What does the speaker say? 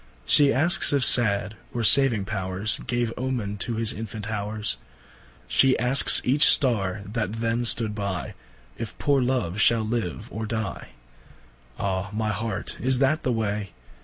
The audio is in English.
Shee askes if sad, or saving powers, Gave Omen to his infant howers, Shee askes each starre that then stood by, If poore Love shall live or dy. Ah my Heart, is that the way?